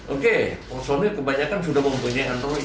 oke personil kebanyakan sudah mempunyai android